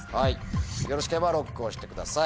よろしければＬＯＣＫを押してください。